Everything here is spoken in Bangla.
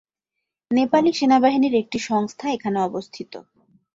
নেপালি সেনাবাহিনীর একটি সংস্থা এখানে অবস্থিত।